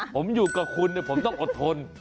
ผมอยู่กับคุณผมต้องอดทน